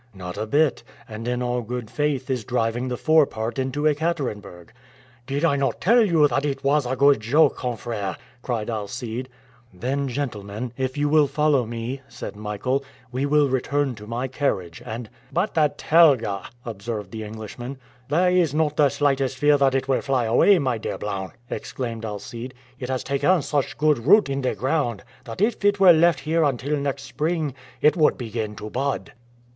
"Not a bit, and in all good faith is driving the fore part into Ekaterenburg." "Did I not tell you that it was a good joke, confrère?" cried Alcide. "Then, gentlemen, if you will follow me," said Michael, "we will return to my carriage, and " "But the telga," observed the Englishman. "There is not the slightest fear that it will fly away, my dear Blount!" exclaimed Alcide; "it has taken such good root in the ground, that if it were left here until next spring it would begin to bud."